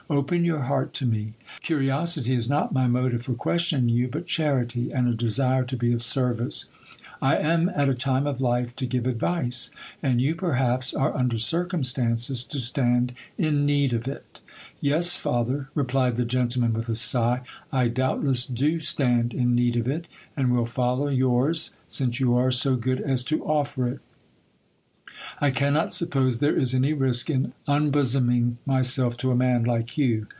Open your heart to me. Curiosity is not my motive for questioning you, but charity, and a desire to be of service. 1 am at a time of life to give advice, and you perhaps are under circumstances to stand in need of it Yes, father, replied the gentleman with a sigh, I doubtless do stand in need of it, and will follow yours, since you are so good as to offer it ; I cannot suppose there is any risk in unbosoming myself to a man like you.